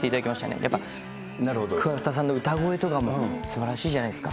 やっぱ桑田さんの歌声とかもすばらしいじゃないですか。